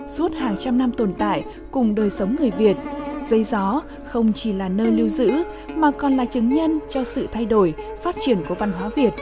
suốt hàng trăm năm tồn tại cùng đời sống người việt dây gió không chỉ là nơi lưu giữ mà còn là chứng nhân cho sự thay đổi phát triển của văn hóa việt